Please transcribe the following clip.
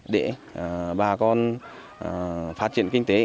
để bà con phát triển kinh tế